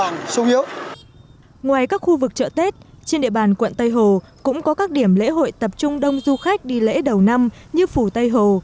ngoài các khu vực chợ tết trên địa bàn quận tây hồ cũng có các điểm lễ hội tập trung đông du khách đi lễ đầu năm như phủ tây hồ